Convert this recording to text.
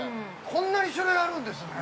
◆こんなに種類、あるんですね。